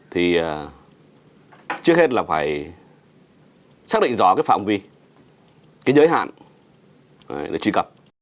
thì trước hết là phải xác định rõ phạm vi giới hạn để truy cập